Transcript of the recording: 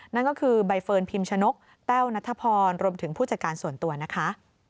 นั่นก็คือใบเฟิร์นพิมชนกแต้วนัทพรรวมถึงผู้จัดการส่วนตัวนะคะ